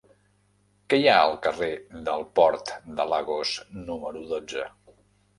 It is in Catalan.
Què hi ha al carrer del Port de Lagos número dotze?